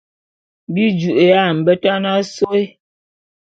Bi ju'uya a mbetan asôé.